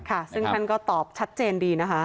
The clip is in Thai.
ค่ะซึ่งท่านก็ตอบชัดเจนดีนะคะ